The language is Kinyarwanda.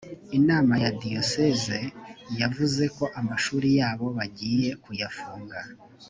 inama ya diyoseze yavuzeko amashuri yabo bagiye kuyafunga